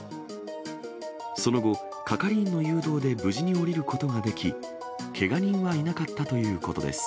その後、係員の誘導で無事に降りることができ、けが人はいなかったということです。